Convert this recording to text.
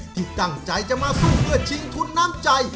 ที่ตั้งใจจะมาสู้เพื่อชิงทุนน้ำใจ